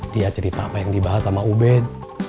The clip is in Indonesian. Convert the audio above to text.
dia cerita apa yang dibahas sama ubed